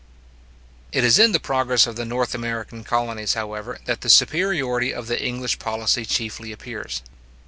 It is in the progress of the North American colonies, however, that the superiority of the English policy chiefly appears.